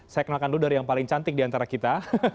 saya kenalkan dulu dari yang paling cantik diantara kita